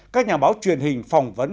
các nhà báo truyền hình phỏng vấn